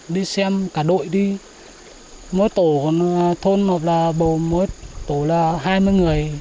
đi xem cả đội đi mỗi tổ thôn hoặc là mỗi tổ là hai mươi người